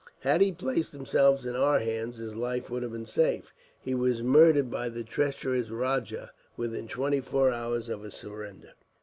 Had he placed himself in our hands, his life would have been safe. He was murdered, by the treacherous rajah, within twenty four hours of his surrender.